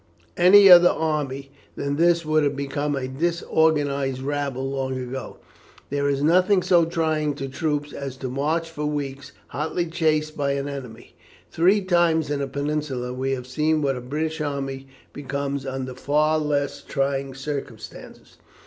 Any other army than this would have become a disorganized rabble long ago. There is nothing so trying to troops as to march for weeks hotly chased by an enemy. Three times in the Peninsula we have seen what a British army becomes under far less trying circumstances.